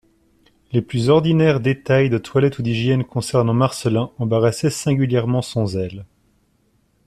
Les plus ordinaires détails de toilette ou d'hygiène concernant Marcelin embarrassaient singulièrement son zèle.